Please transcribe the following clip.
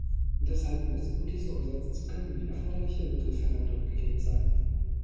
Deshalb muss, um dies umsetzen zu können, die erforderliche Mittelverwendung gegeben sein.